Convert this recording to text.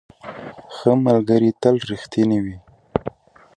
ښه ملګري تل رښتیني وي.